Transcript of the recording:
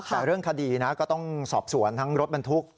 แต่เรื่องคดีนะก็ต้องสอบสวนทั้งรถบรรทุก